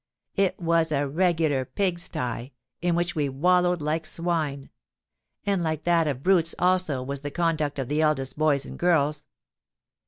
It was a regular pig sty, in which we wallowed like swine: and like that of brutes also was the conduct of the eldest boys and girls.